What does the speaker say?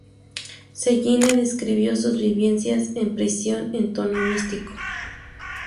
Cellini describió sus vivencias en prisión en tono místico.